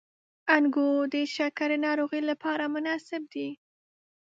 • انګور د شکرې ناروغۍ لپاره مناسب دي.